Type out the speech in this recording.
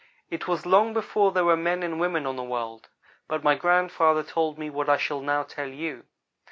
"It was long before there were men and women on the world, but my grandfather told me what I shall now tell you.